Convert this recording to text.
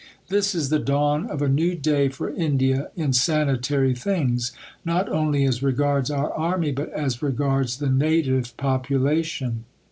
This is the dawn of a new day for India in sanitary things, not only as regards our Army, but as regards the native population."